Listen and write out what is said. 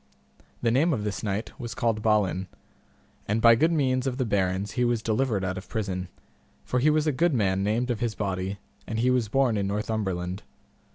The name of this knight was called Balin, and by good means of the barons he was delivered out of prison, for he was a good man named of his body, and he was born in Northumberland.